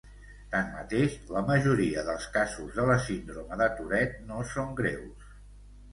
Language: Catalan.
Tanmateix, la majoria dels casos de la síndrome de Tourette no són greus.